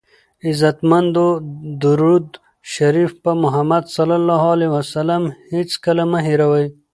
عزتمندو درود شریف په محمد ص هېڅکله مه هیروئ!